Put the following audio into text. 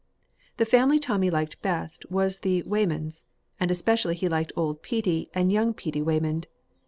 The family Tommy liked best was the Whamonds, and especially he liked old Petey and young Petey Whamond.